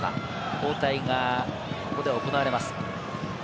交代がここで行われます。